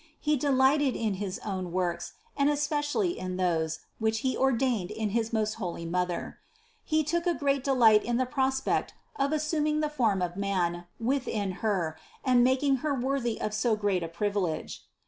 He delighted in his own works, and especially in those, which He ordained in his most holy Mother. He took a great delight in the prospect of assuming the form of man within Her and in making Her worthy of so great a privilege.